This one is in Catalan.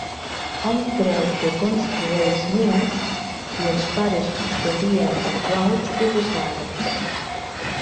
Hom creu que construeix nius i els pares custodien els ous i les larves.